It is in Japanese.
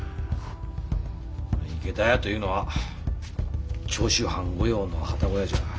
池田屋というのは長州藩御用の旅籠屋じゃ。